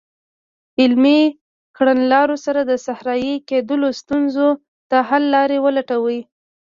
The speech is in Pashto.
عملي کړنلارو سره د صحرایې کیدلو ستونزو ته حل لارې ولټوي.